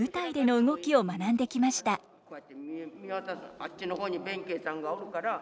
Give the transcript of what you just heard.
あっちの方に弁慶さんがおるから。